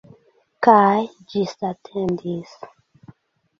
Kaj ĝisatendis.